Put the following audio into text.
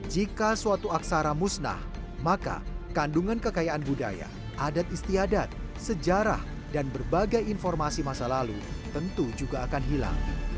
jika suatu aksara musnah maka kandungan kekayaan budaya adat istiadat sejarah dan berbagai informasi masa lalu tentu juga akan hilang